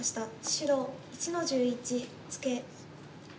白１の十一ツケ。